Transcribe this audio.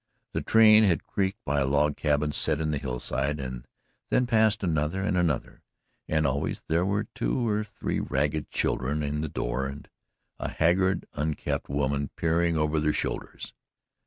The train had creaked by a log cabin set in the hillside and then past another and another; and always there were two or three ragged children in the door and a haggard unkempt woman peering over their shoulders.